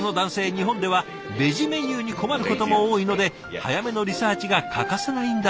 日本ではベジメニューに困ることも多いので早めのリサーチが欠かせないんだそう。